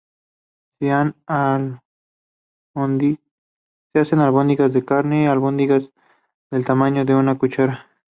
Se hacen albóndigas de carne, albóndigas, del tamaño de una cuchara.